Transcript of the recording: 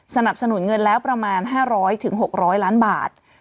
สนับสนุนเงินแล้วประมาณ๕๐๐๖๐๐ล้านบาท